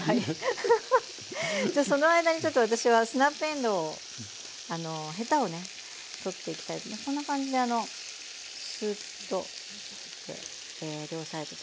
じゃあその間にちょっと私はスナップえんどうをあのヘタをね取っていきたいとこんな感じでスーッと両サイド取って下さい。